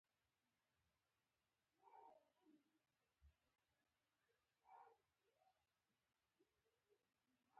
انا د صبر لویه خزانه ده